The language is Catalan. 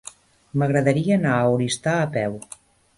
M'agradaria anar a Oristà a peu.